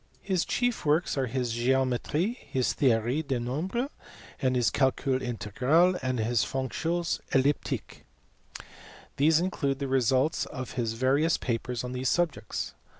His chief works are his Geometrie, his Theorie des nombres, his Calcul integral, and his Fonctions elliptiques. These include the results of his various papers on these subjects.